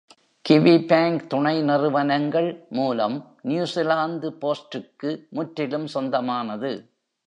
Kiwibank துணை நிறுவனங்கள் மூலம் நியூசிலாந்து போஸ்டுக்கு முற்றிலும் சொந்தமானது